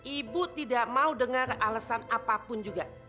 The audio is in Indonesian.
ibu tidak mau dengar alasan apapun juga